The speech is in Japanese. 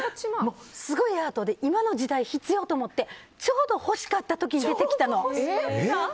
すごいアートで今の時代必要と思ってちょうど欲しかった時に出てきたの。